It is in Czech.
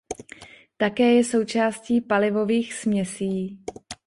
Také je součástí palivových směsí.